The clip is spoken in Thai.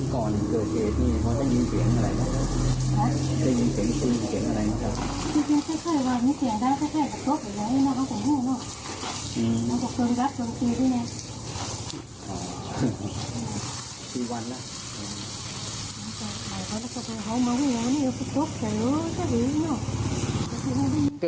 ก่อนเกิดเกษนี่เขาจะยินเสียงอะไรครับครับจะยินเสียงจะยินเสียงอะไรครับ